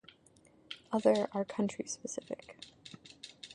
Other are country-specific.